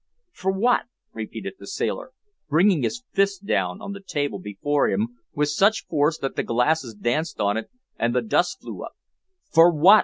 for what?" repeated the sailor, bringing his fist down on the table before him with such force that the glasses danced on it and the dust flew up; "for what?